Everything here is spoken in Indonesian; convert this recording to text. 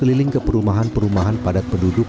keliling ke perumahan perumahan padat penduduk